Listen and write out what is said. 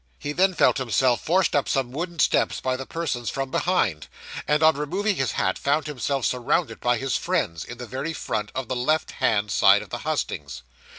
He then felt himself forced up some wooden steps by the persons from behind; and on removing his hat, found himself surrounded by his friends, in the very front of the left hand side of the hustings.